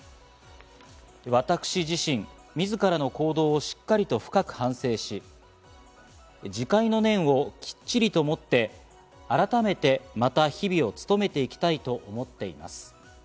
わたくし自身、みずからの行動をしっかりと深く反省し、自戒の念をきっちりと持って改めてまた日々を努めていきたいと思っています。